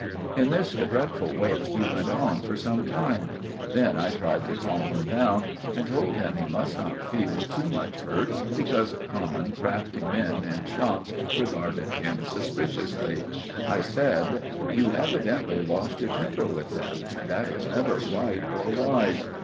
In this dreadful way he went on for some time; then I tried to calm him down and told him he must not feel too much hurt because common, crafty men in shops regarded him suspiciously. I said— "You evidently lost your temper with them, and that is never right or wise.